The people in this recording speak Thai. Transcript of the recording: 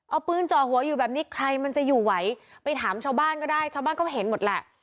เอาปืนจ่อหัวอยู่แบบนี้ใครมันจะอยู่ไหวไปถามชาวบ้านก็ได้ชาวบ้านก็เห็นหมดแหละ